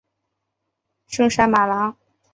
圣沙马朗。